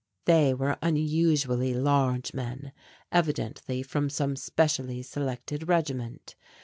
They were unusually large men, evidently from some specially selected regiment.